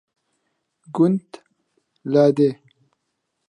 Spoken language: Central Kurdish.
تەمبرەکانی یەک قرشیان کەمە!